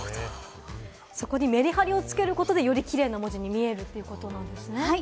そこにメリハリをつけることで、よりキレイな字に見えるということなんですね。